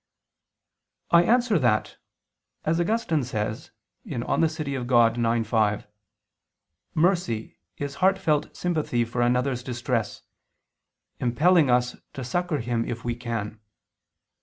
I answer that, As Augustine says (De Civ. Dei ix, 5), mercy is heartfelt sympathy for another's distress, impelling us to succor him if we can.